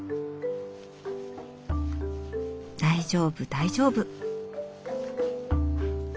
大丈夫大丈夫。